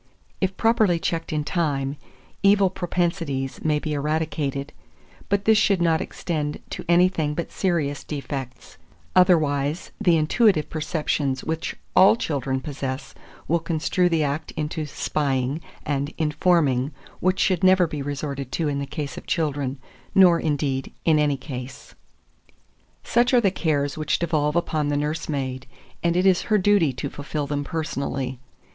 If properly checked in time, evil propensities may be eradicated; but this should not extend to anything but serious defects; otherwise, the intuitive perceptions which all children possess will construe the act into "spying" and "informing," which should never be resorted to in the case of children, nor, indeed, in any case. 2402. Such are the cares which devolve upon the nursemaid, and it is her duty to fulfil them personally.